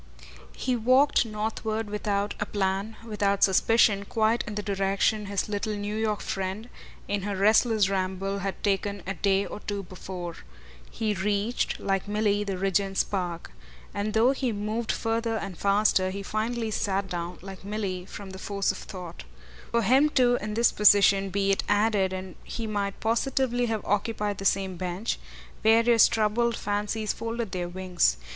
He walked northward without a plan, without suspicion, quite in the direction his little New York friend, in her restless ramble, had taken a day or two before. He reached, like Milly, the Regent's Park; and though he moved further and faster he finally sat down, like Milly, from the force of thought. For him too in this position, be it added and he might positively have occupied the same bench various troubled fancies folded their wings.